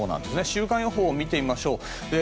週間予報を見てみましょう。